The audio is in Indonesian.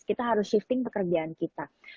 kita harus shifting pekerjaan kita